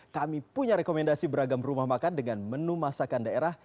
kami punya rekomendasi beragam rumah makan dengan menu masakan daerah